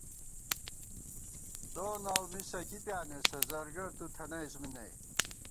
سون اؤ مِسہ کِی پیانېسہ، زرگر تُو تھنَئیس می نئ